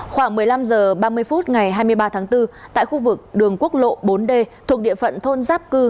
khoảng một mươi năm h ba mươi phút ngày hai mươi ba tháng bốn tại khu vực đường quốc lộ bốn d thuộc địa phận thôn giáp cư